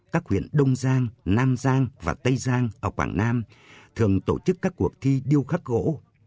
các huyện đông giang nam giang và tây giang ở quảng nam thường tổ chức các cuộc thi điêu khắc gỗ